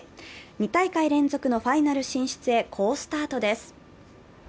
２大会連続のファイナル進出へ好スタートです。